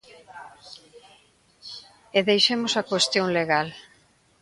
E deixemos a cuestión legal.